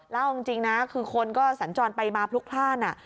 เล่าจริงนะคือคนก็สัญจรไปมาพลุกพลาด